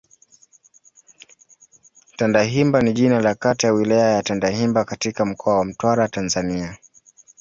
Tandahimba ni jina la kata ya Wilaya ya Tandahimba katika Mkoa wa Mtwara, Tanzania.